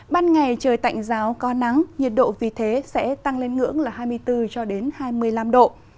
ban ngày trời tạnh giáo có nắng nhiệt độ vì thế sẽ tăng lên ngưỡng là hai mươi bốn cho đến hai mươi năm độ